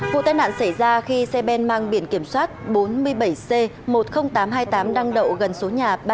vụ tai nạn xảy ra khi xe ben mang biển kiểm soát bốn mươi bảy c một mươi nghìn tám trăm hai mươi tám đăng đậu gần suốt ngày